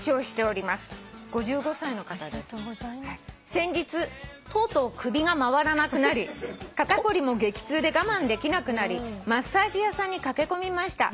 「先日とうとう首が回らなくなり肩凝りも激痛で我慢できなくなりマッサージ屋さんに駆け込みました」